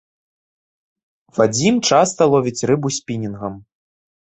Вадзім часта ловіць рыбу спінінгам.